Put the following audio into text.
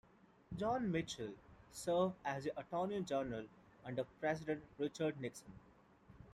John Mitchell served as Attorney General under President Richard Nixon.